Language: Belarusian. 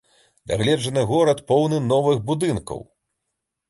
Дагледжаны горад поўны новых будынкаў.